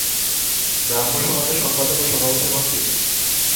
ব্রাহ্মসমাজের সম্পাদক ও সভাপতি হন তিনি।